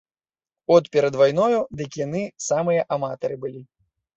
От перад вайною, дык яны самыя аматары былі.